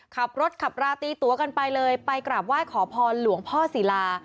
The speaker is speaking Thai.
ขับรถขับราตีตัวกันไปเลยไปกราบไหว้ขอพรหลวงพ่อศิลา